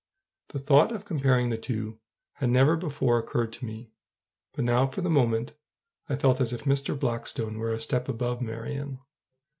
The thought of comparing the two had never before occurred to me; but now for the moment I felt as if Mr. Blackstone were a step above Marion.